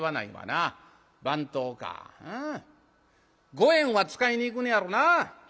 五円は使いに行くのやろなぁ。